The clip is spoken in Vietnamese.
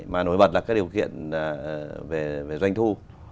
mà nổi bật là các điều kiện về doanh thu